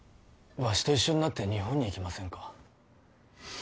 わしと一緒になって日本に行きませんか？